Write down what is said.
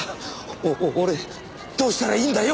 お俺どうしたらいいんだよ！？